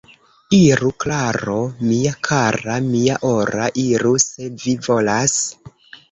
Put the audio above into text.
Iru, Klaro, mia kara, mia ora, iru, se vi volas.